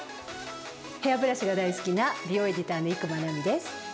ヘアブラシが大好きな美容エディターの伊熊奈美です。